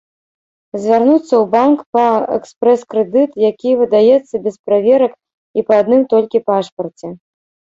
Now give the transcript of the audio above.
Звярнуцца ў банк па экспрэс-крэдыт, які выдаецца без праверак і па адным толькі пашпарце.